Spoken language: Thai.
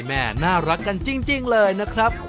แม่น่ารักกันจริงเลยนะครับ